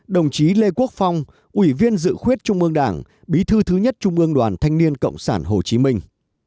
ba mươi chín đồng chí lê quốc phong ủy viên dự khuyết trung ương đảng bí thư thứ nhất trung ương đoàn thanh niên cộng sản hồ chí minh